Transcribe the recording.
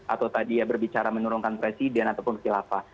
atau tadi ya berbicara menurunkan presiden ataupun khilafah